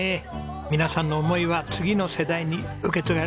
皆さんの思いは次の世代に受け継がれてます。